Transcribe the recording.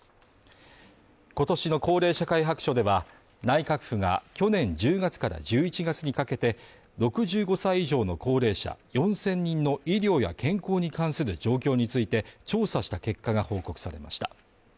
今年の高齢社会白書では、内閣府が去年１０月から１１月にかけて６５歳以上の高齢者４０００人の医療や健康に関する状況について調査した結果が報告されました。